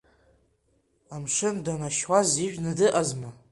Амшын данашьуаз ижәны дыҟазма?